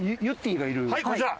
はいこちら！